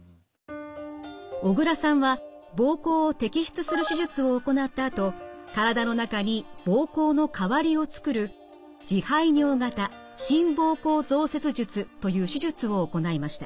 小倉さんは膀胱を摘出する手術を行ったあと体の中に膀胱の代わりをつくる自排尿型新膀胱造設術という手術を行いました。